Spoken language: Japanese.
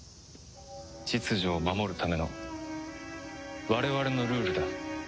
秩序を守るための我々のルールだ。